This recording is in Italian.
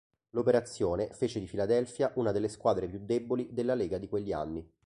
L'operazione fece di Filadelfia una delle squadre più deboli della lega di quegli anni.